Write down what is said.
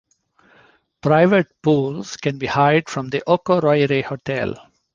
Private pools can be hired from the Okoroire Hotel.